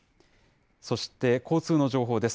そして交通の情報です。